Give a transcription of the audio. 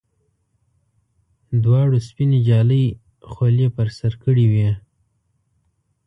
دواړو سپینې جالۍ خولۍ پر سر کړې وې.